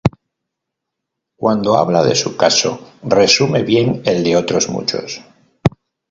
cuando habla de su caso resume bien el de otros muchos